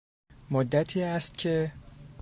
مدتی است که...